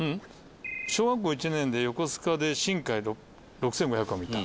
小学校１年で横須賀で「しんかい６５００」を見た？